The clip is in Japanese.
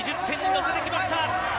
２０点に乗せてきました。